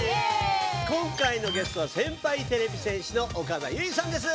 今回のゲストは先輩てれび戦士の岡田結実さんです！